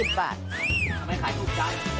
ทำให้ขายทุกชาม